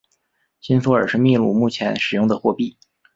新索尔是秘鲁目前使用的货币。